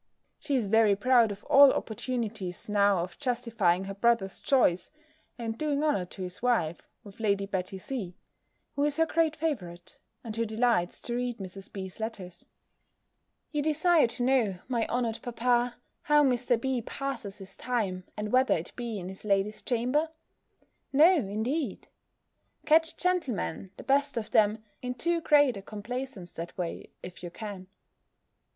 She is very proud of all opportunities now of justifying her brother's choice, and doing honour to his wife, with Lady Betty C., who is her great favourite, and who delights to read Mrs. B.'s letters. You desire to know, my honoured papa, how Mr. B. passes his time, and whether it be in his lady's chamber? No, indeed! Catch gentlemen, the best of them, in too great a complaisance that way, if you can.